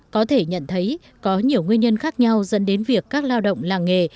có thể nhận thấy có nhiều nguyên nhân khác nhau dẫn đến việc các lao động làng nghề